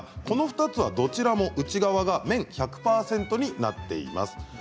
この２つはどちらも内側が綿１００％になっています。